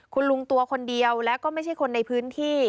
คุณลุงตัวคนเดียวแล้วก็ไม่ใช่คนในพื้นที่